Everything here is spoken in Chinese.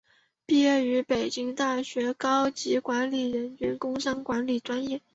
毕业于北京大学高级管理人员工商管理专业。